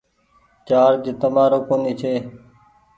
چآرجر تمآرو ڪونيٚ چي۔